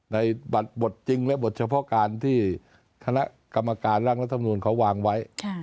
ในบทจริงและบทเฉพาะการที่คณะกรรมการร่างรัฐมนุนเขาวางไว้